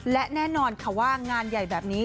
และแน่นอนค่ะว่างานใหญ่แบบนี้